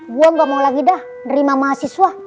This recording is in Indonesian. gue gak mau lagi dah nerima mahasiswa